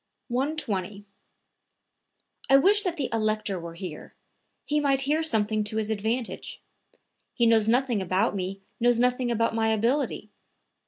120. "I only wish that the Elector were here; he might hear something to his advantage. He knows nothing about me, knows nothing about my ability.